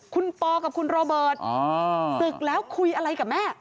คุณปอกับคุณโรเบิร์ตศึกแล้วคุยอะไรกับแม่